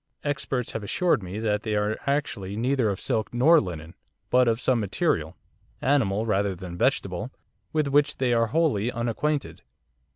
Experts have assured me that they are actually neither of silk nor linen! but of some material animal rather than vegetable with which they are wholly unacquainted.